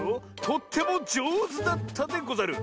とってもじょうずだったでござる。